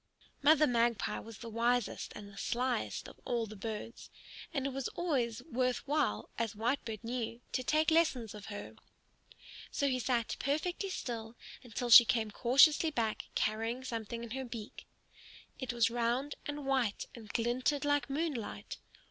Mother Magpie was the wisest and the slyest of all the birds, and it was always worth while, as Whitebird knew, to take lessons of her. So he sat perfectly still until she came cautiously back carrying something in her beak. It was round and white and glinted like moonlight.